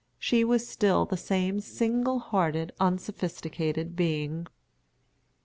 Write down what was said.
She was still the same single hearted, unsophisticated being."